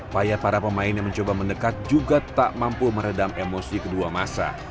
payat para pemain yang mencoba mendekat juga tak mampu meredam emosi kedua masa